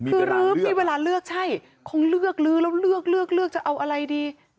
คือลื้อมีเวลาเลือกใช่คงเลือกลื้อแล้วเลือกเลือกจะเอาอะไรดี